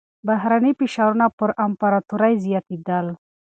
بهرني فشارونه پر امپراتورۍ زياتېدل.